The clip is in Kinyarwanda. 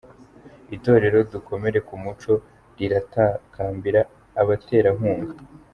Itorero Dukomere ku muco riratakambira abaterankunga